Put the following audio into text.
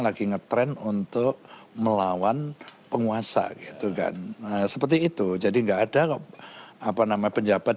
lagi ngetrend untuk melawan penguasa gitu kan seperti itu jadi enggak ada apa nama penjabat